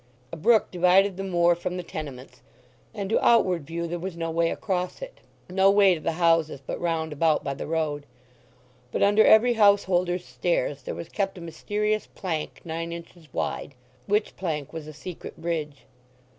A brook divided the moor from the tenements, and to outward view there was no way across it—no way to the houses but round about by the road. But under every householder's stairs there was kept a mysterious plank nine inches wide; which plank was a secret bridge.